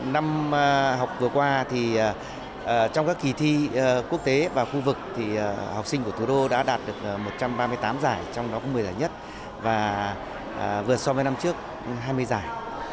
năm học vừa qua trong các kỳ thi quốc tế và khu vực học sinh của thủ đô đã đạt được một trăm ba mươi tám giải trong đó cũng một mươi giải nhất vừa so với năm trước hai mươi giải